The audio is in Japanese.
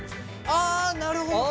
あなるほど！